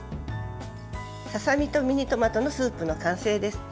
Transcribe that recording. ささ身とミニトマトのスープの完成です。